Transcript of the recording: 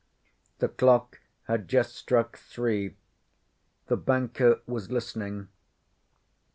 The clock had just struck three. The banker was listening.